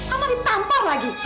atau ditampar lagi